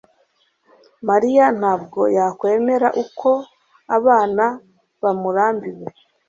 Mariya ntabwo yakwemera uko abana bamurambiwe